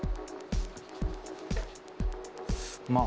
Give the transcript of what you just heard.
まあ。